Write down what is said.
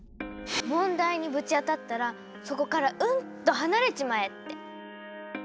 「問題にぶち当たったらそこからうんと離れちまえ」って。